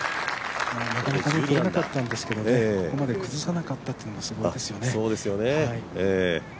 なかなかでれなかったんですけどここまで崩さなかったっていうのがすごいですよね。